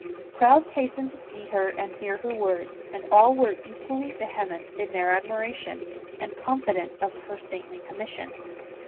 Crowds hastened to see her and hear her words, and all were equally vehement in their admiration, and confident of her saintly commission.